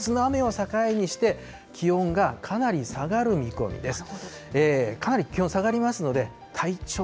あすを中心に雨が降って、あすの雨を境にして、気温がかなり下がる見込みです。